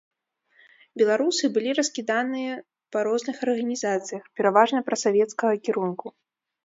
Беларусы былі раскіданыя па розных арганізацыях, пераважна прасавецкага кірунку.